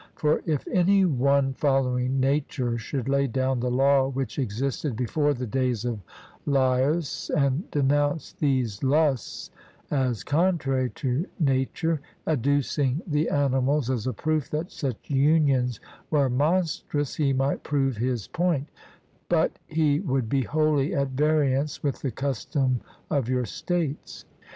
For if any one following nature should lay down the law which existed before the days of Laius, and denounce these lusts as contrary to nature, adducing the animals as a proof that such unions were monstrous, he might prove his point, but he would be wholly at variance with the custom of your states.